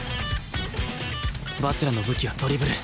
蜂楽の武器はドリブル！